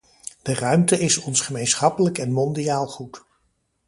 De ruimte is ons gemeenschappelijk en mondiaal goed.